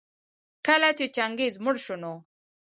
کله چي چنګېز مړ شو نو